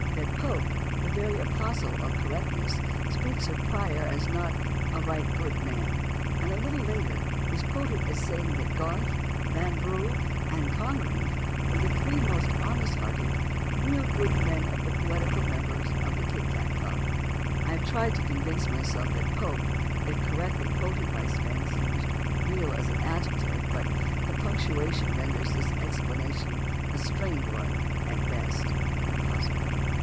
2), that Pope, the very apostle of "correctness," speaks of Prior as not a "right good man," and a little later (p. 46) is quoted as saying that Garth, Vanbrugh, and Congreve were the three most honest hearted, "real good men of the poetical members of the Ejtcat Club." I have tried to convince myself that Pope, if correctly quoted by Spence, used "real" as an adjective, but the punctuation renders this explanation, a strained one at best, impossible.